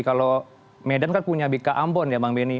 kalau medan kan punya bk ambon ya bang benny